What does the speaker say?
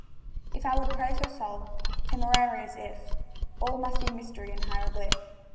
If I would praise her soul (temerarious if!) All must be mystery and hieroglyph.